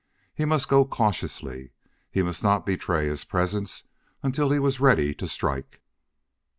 He must go cautiously; he must not betray his presence until he was ready to strike.